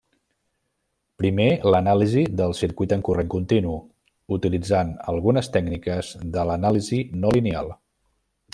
Primer, l'anàlisi del circuit en corrent continu, utilitzant algunes tècniques de l'anàlisi no lineal.